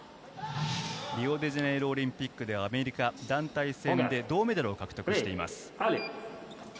リオデジャネイロオリンピックではアメリカ団体戦で銅メダルを獲得しています。